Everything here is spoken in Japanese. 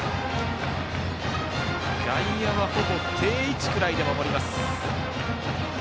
外野はほぼ定位置くらいで守ります。